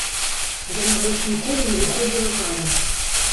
Яна больш ніколі не выходзіла замуж.